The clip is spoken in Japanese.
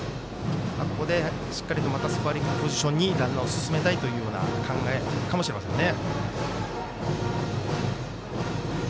ここで、しっかりとまたスコアリングポジションにランナーを進めたいというような考えかもしれませんね。